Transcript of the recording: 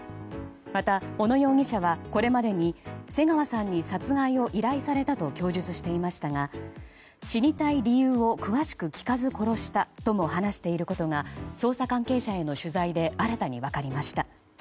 また、小野容疑者はこれまでに瀬川さんに殺害を依頼されたと供述していましたが死にたい理由を詳しく聞かず殺したとも話していることが捜査関係者への取材で新たに分かりました。